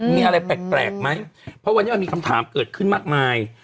มีอะไรแปลกไหมเพราะวันนี้มันมีคำถามเกิดขึ้นมากมาย